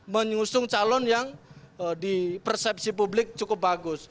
menyusung calon yang di persepsi publik cukup bagus